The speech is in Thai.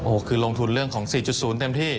โอ้โหคือลงทุนเรื่องของ๔๐เต็มที่